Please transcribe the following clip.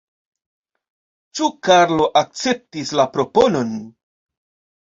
Ĉu Karlo akceptis la proponon?